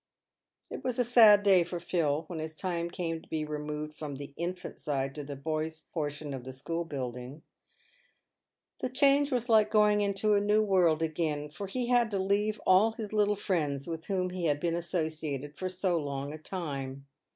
It was a sad day for Phil when his time came to be removed from ; the "infants' " side to the "boys' " portion of the school buildings. The change was like going into a new world again, for he had to leave all his little friends with whom he had been associated for so long a time.